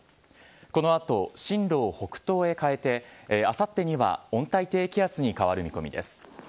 このあと進路を北東へ変えて、あさってには温帯低気圧に変わる見込みです。